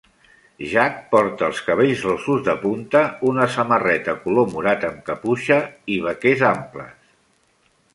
Jak porta els cabells rossos de punta, una samarreta color morat amb caputxa i vaquers amples.